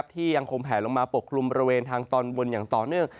ที่ยังคงแผลลงมาปกคลุมบริเวณทางตอนบนอย่างต่อเนื่อง